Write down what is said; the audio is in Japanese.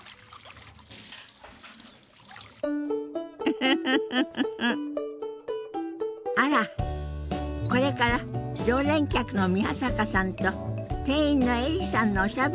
フフフフフあらこれから常連客の宮坂さんと店員のエリさんのおしゃべりが始まりそうね。